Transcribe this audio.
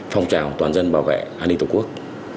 phong trào toàn dân bảo vệ an ninh tổ quốc